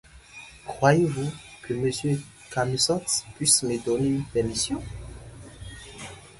Croyez-vous que monsieur Camusot puisse me donner une permission…